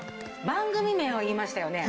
番組名を言いましたよね？